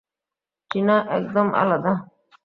টিনা একদম আলাদা।